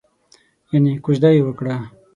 یانې کوژده یې وکړه؟